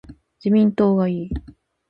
自民党がいい